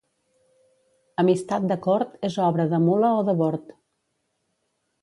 Amistat de cort és obra de mula o de bord.